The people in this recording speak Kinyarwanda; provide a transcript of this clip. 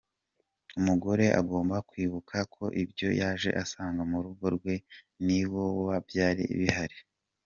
Umugore agomba kwibuka ko ibyo yaje asanga murugo rwe niwabo byari bihari.